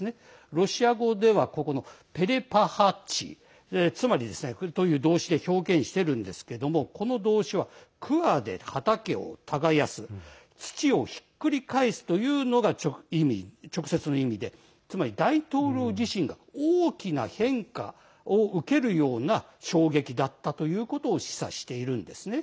ロシア語ではペレパハチ、つまり動詞で表現しているんですけどこの動詞は、くわで畑を耕す土をひっくり返すというのが直接の意味でつまり大統領自身が大きな変化を受けるような衝撃だったということを示唆しているんですね。